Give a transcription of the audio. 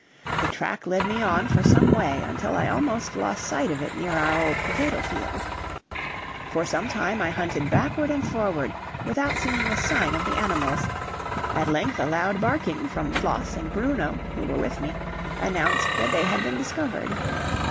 The track led me on for some way until I almost lost sight of it near our old potato field. For some time I hunted backward and forward without seeing a sign of the animals; at length a loud barking from Floss and Bruno, who were with me, announced that they had been discovered.